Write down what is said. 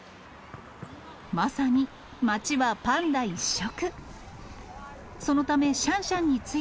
まさに街はパンダ一色。